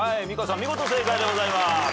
見事正解でございます。